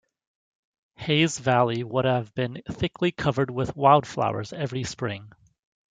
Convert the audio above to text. Hayes Valley would have been thickly covered with wildflowers every spring.